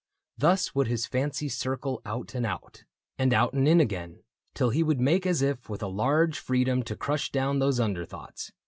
Thus would his fancy circle out and out. And out and in again, till he would make As if with a large freedom to crush down Those under thoughts.